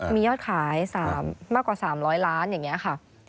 มียอดขายมากกว่า๓๐๐ล้านอย่างนี้ค่ะ